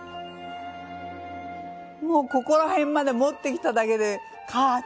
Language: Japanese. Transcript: もうここら辺まで持ってきただけでカーッ！